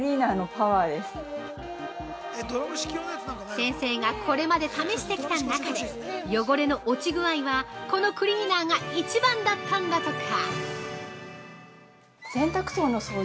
◆先生がこれまで試してきた中で汚れの落ち具合はこのクリーナーが一番だったんだとか。